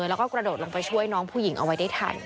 แล้วก็กระโดดลงไปช่วยน้องผู้หญิงเอาไว้ได้ทัน